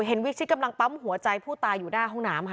เห็นวิชิตกำลังปั๊มหัวใจผู้ตายอยู่หน้าห้องหนามค่ะ